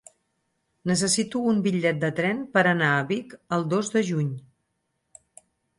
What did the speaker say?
Necessito un bitllet de tren per anar a Vic el dos de juny.